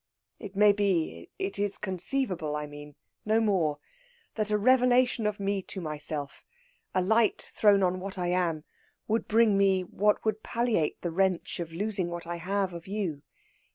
It may be it is conceivable, I mean; no more that a revelation to me of myself, a light thrown on what I am, would bring me what would palliate the wrench of losing what I have of you.